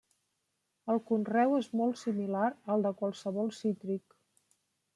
El conreu és molt similar al de qualsevol cítric.